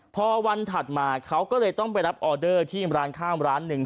พอวันถัดมาเขาก็เลยต้องไปรับออเดอร์ที่ร้านข้าวร้านหนึ่ง